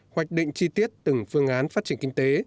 hoạch định chi tiết từng phương án phát triển kinh tế